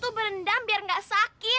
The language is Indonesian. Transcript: kamu berendam lukanya gak sakit